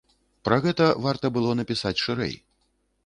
Пра гэта варта было напісаць шырэй.